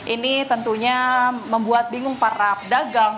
ini tentunya membuat bingung para pedagang